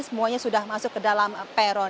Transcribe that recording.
semuanya sudah masuk ke dalam peron